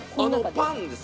パンです。